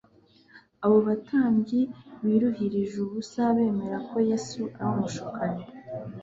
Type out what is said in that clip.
Abo batambyi biruhirije ubusa bemera ko Yesu ari umushukanyi.